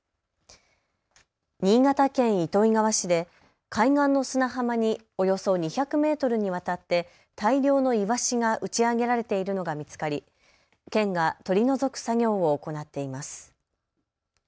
新潟県糸魚川市で海岸の砂浜におよそ２００メートルにわたって大量のイワシが打ち上げられているのが見つかり、県が取り除く作業を行っています。